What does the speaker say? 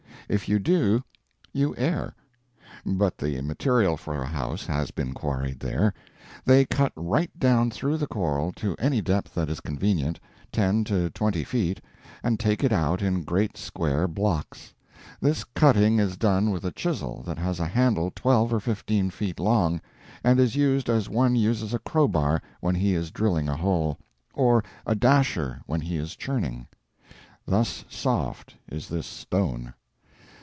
If you do, you err. But the material for a house has been quarried there. They cut right down through the coral, to any depth that is convenient ten to twenty feet and take it out in great square blocks. This cutting is done with a chisel that has a handle twelve or fifteen feet long, and is used as one uses a crowbar when he is drilling a hole, or a dasher when he is churning. Thus soft is this stone.